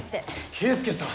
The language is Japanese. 圭介さん！